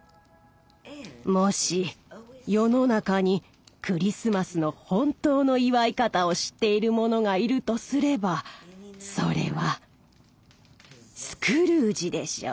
もし世の中にクリスマスの本当の祝い方を知っている者がいるとすればそれはスクルージでしょう。